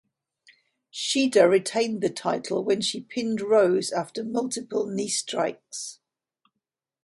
Shida retained the title when she pinned Rose after multiple knee strikes.